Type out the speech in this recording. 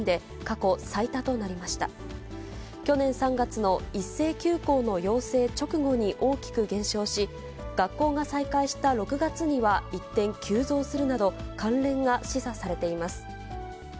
去年３月の一斉休校の要請直後に大きく減少し、学校が再開した６月には一転、急増するなど、関連が示唆されています。